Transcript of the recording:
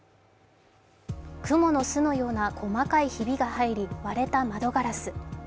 くもの巣のような細かいひびが入り割れた窓ガラス。